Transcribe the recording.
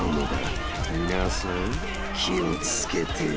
［皆さん気を付けて］